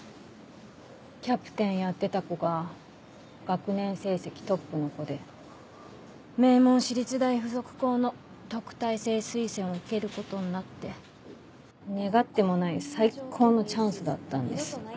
キャプテンやってた子が学年成績トップの子で名門私立大付属高の特待生推薦を受けることになって願ってもない最高のチャンスだったんです。